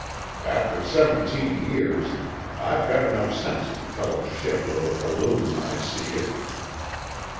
After seventeen years, I've got enough sense to tell a ship or a balloon when I see it."